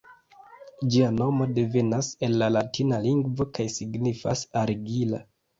Ĝia nomo devenas el la latina lingvo kaj signifas "argila".